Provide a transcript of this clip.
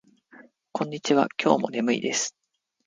こんにちは。今日も眠いです。